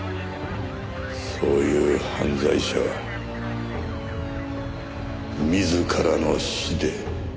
そういう犯罪者は自らの死で。